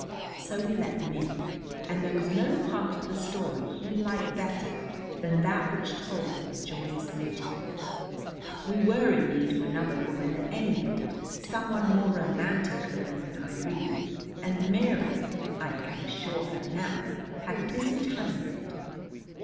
So we let them in, and there was no part of the story he liked better than that which told of the joyous meeting. We were in need of another woman at any rate, someone more romantic looking than Irene, and Mary, I can assure her now, had a busy time of it.